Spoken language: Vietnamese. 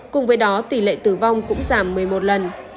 cùng với đó tỷ lệ tử vong cũng giảm một mươi một lần